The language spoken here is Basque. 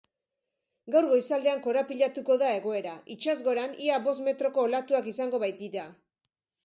Gaur goizaldean korapilatuko da egoera, itsasgoran ia bost metroko olatuak izango baitira.